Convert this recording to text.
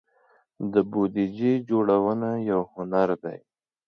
د بودیجې جوړونه یو هنر دی.